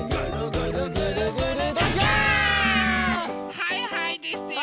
はいはいですよ。